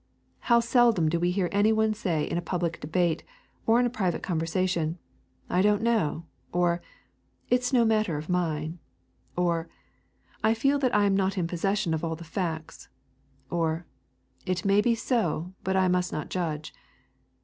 How seldom do we hear any one say in a public debate or in a private conversation, I don't know; or, It is no matter of mine; or, I feel that I am not in possession of all the facts; or, It may be so, but I must not judge.